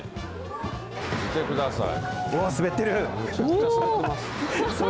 見てください。